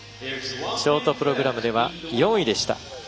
ショートプログラムでは４位でした。